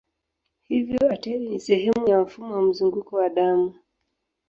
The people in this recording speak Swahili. Hivyo ateri ni sehemu ya mfumo wa mzunguko wa damu.